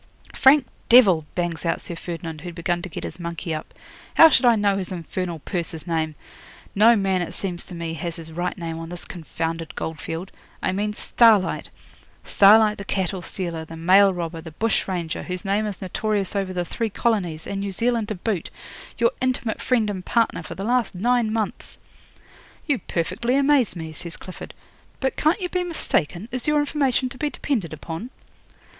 '"Frank Devil!" bangs out Sir Ferdinand, who'd begun to get his monkey up. "How should I know his infernal purser's name? No man, it seems to me, has his right name on this confounded goldfield. I mean Starlight Starlight the cattle stealer, the mail robber, the bush ranger, whose name is notorious over the three colonies, and New Zealand to boot your intimate friend and partner for the last nine months!" '"You perfectly amaze me," says Clifford. "But can't you be mistaken? Is your information to be depended upon?"